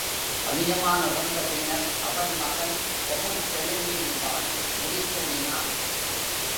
அதியமான் இறந்த பின்னர் அவன் மகன் பொகுட்டெழினி என்பான் முடிசூடினான்.